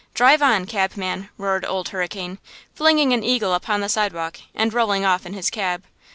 Drive on, cabman!" roared Old Hurricane, flinging an eagle upon the sidewalk and rolling off in his cab.